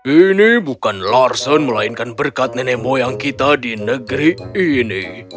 ini bukan larsen melainkan berkat nenek moyang kita di negeri ini